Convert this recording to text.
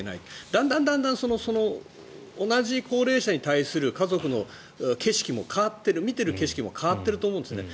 だんだん、同じ高齢者に対する家族の景色も変わってる見てる景色も変わってると思うんですね。